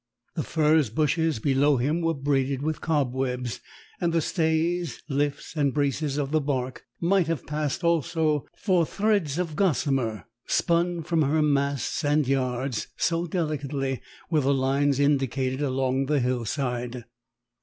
The furze bushes below him were braided with cobwebs, and the stays, lifts, and braces of the barque might have passed also for threads of gossamer spun from her masts and yards, so delicately were the lines indicated against the hillside.